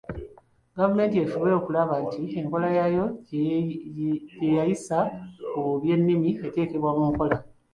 Gavumenti efube okulaba nti enkola yaayo gye yayisa ku by'ennimi eteekebwa mu nkola.